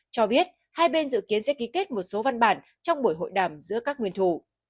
cho biết hai bên dự kiến sẽ ký kết một số văn bản trong buổi hội đàm giữa các nguyên thủ